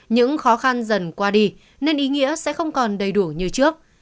những khó khăn dần qua đi nên ý nghĩa sẽ không còn đầy đủ như trước